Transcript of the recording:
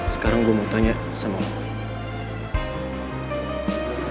sekarang gue mau tanya sama aku